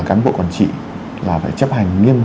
cán bộ quản trị là phải chấp hành